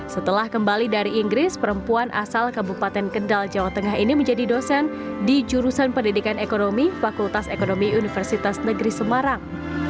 setelah kembali dari inggris perempuan asal kabupaten kendal jawa tengah ini menjadi dosen di jurusan pendidikan ekonomi fakultas ekonomi universitas negeri semarang